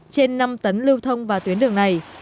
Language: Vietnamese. trên năm tấn lưu thông vào tuyến đường này